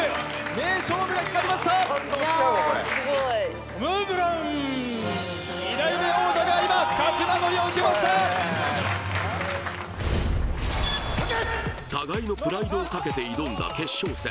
名勝負が光りましたトム・ブラウン２代目王者が今勝ち名乗りを受けました互いのプライドをかけて挑んだ決勝戦